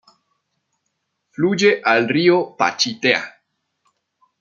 Fluye al río Pachitea.